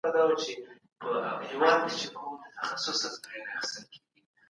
د لويي جرګې غړي کله د خپلو خلګو رښتینې ستونزي حکومت ته رسوي؟